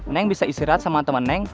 neng bisa istirahat sama teman neng